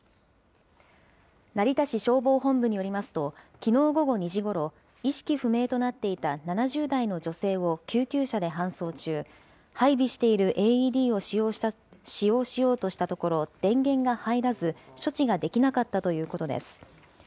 成田市消防本部によりますと、きのう午後２時ごろ、意識不明となっていた７０代の女性を救急車で搬送中、配備しているＡＥＤを使用しようとしたところ、電源が入らず、処置ができなかったということです。